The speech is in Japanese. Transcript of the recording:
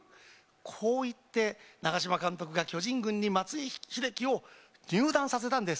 こう言って、長嶋監督が巨人軍に松井秀喜を入団させたんです。